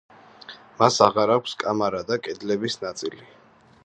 მას აღარ აქვს კამარა და კედლების ნაწილი.